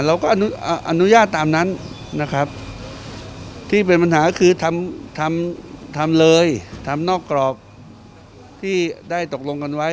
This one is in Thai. เราก็อนุญาตตามนั้นนะครับที่เป็นปัญหาคือทำทำเลยทำนอกกรอบที่ได้ตกลงกันไว้